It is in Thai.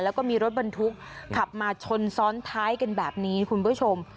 แล้วก็มีรถบรรทุกขับมาชนซ้อนท้ายกันแบบนี้คุณผู้ชม